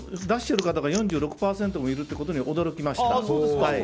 出してる方が４６％もいることに驚きました。